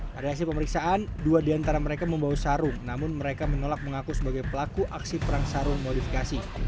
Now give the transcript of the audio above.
dari hasil pemeriksaan dua diantara mereka membawa sarung namun mereka menolak mengaku sebagai pelaku aksi perang sarung modifikasi